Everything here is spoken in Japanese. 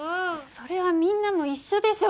それはみんなも一緒でしょ！